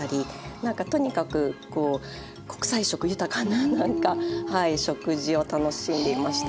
なんかとにかくこう国際色豊かななんかはい食事を楽しんでいました。